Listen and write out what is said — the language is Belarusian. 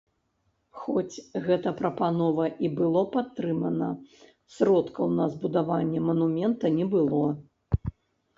Хоць гэта прапанова і было падтрымана, сродкаў на збудаванне манумента не было.